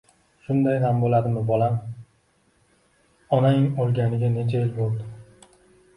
Shunday ham bo'ladimi, bolam? Onango'lganiga necha shil bo'ldi?!